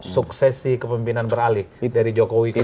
suksesi kepemimpinan beralih dari jokowi ke prabowo